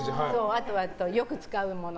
あとは、よく使うもの。